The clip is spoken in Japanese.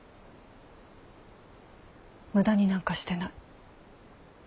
無駄になんかしてない。